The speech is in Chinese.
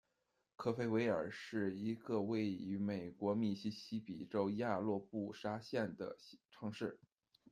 科菲维尔是一个位于美国密西西比州亚洛布沙县的城市。